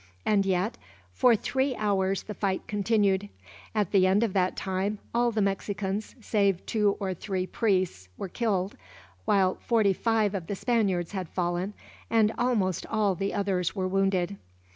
And yet, for three hours the fight continued. At the end of that time, all the Mexicans, save two or three priests, were killed; while forty five of the Spaniards had fallen, and almost all the others were wounded.